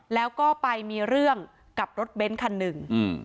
แล้วก็ไปมีเรื่องกับรถเบนท์คันหนึ่ง